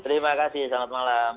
terima kasih selamat malam